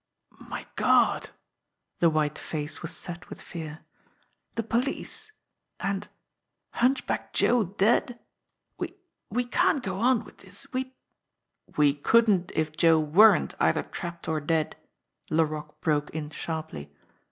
"My God!" The white face was set with fear. "The police and Hunchback Joe dead! We we can't go on with this we'd " "We couldn't if Joe weren't either trapped or dead," Laroque broke in sharply.